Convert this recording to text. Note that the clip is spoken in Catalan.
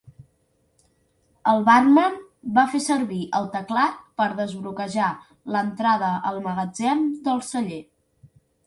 El bàrman va fer servir el teclat per desbloquejar l'entrada al magatzem del celler.